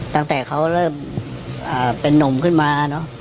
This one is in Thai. ตั้งแต่เขาเริ่มเป็นนุ่มขึ้นมาเนอะ